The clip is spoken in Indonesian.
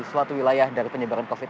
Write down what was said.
suatu wilayah dari penyebaran covid sembilan